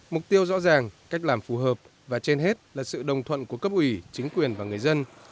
mục tiêu rõ ràng cách làm phù hợp và trên hết là sự đồng thuận của cấp ủy chính quyền và người dân